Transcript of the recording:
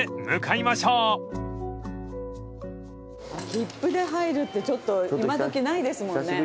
切符で入るってちょっと今どきないですもんね。